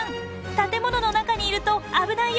建物の中にいると危ないよ！